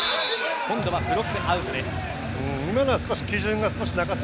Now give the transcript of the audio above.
今度はブロックアウトです。